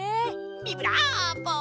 ビブラーボ！